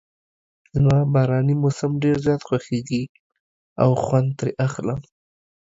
زما باراني موسم ډېر زیات خوښیږي او خوند ترې اخلم.